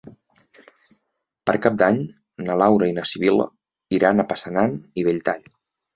Per Cap d'Any na Laura i na Sibil·la iran a Passanant i Belltall.